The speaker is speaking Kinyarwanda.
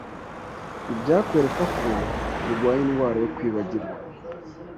ibyakwereka ko urwaye indwara yo kwibagirwa